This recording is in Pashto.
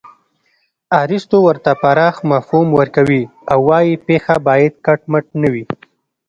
ارستو ورته پراخ مفهوم ورکوي او وايي پېښه باید کټ مټ نه وي